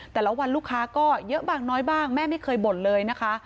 แต่ละวันลูกค้าก็เยอะบ้างน้อยบ้างแม่ไม่เคยบ่นเลยนะคะ